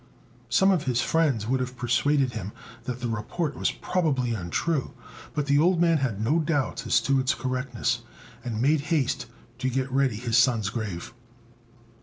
Some of his friends would have persuaded him that the report was probably untrue; but the old man had no doubts as to its correctness, and made haste to get ready his son's grave.